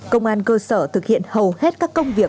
công an cơ sở thực hiện hầu hết các công việc